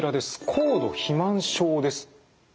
高度肥満症です。